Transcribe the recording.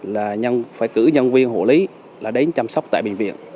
là phải cử nhân viên hộ lý là đến chăm sóc tại bệnh viện